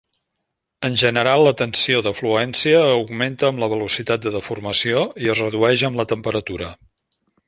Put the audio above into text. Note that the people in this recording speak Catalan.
En general, la tensió de fluència augmenta amb la velocitat de deformació i es redueix amb la temperatura.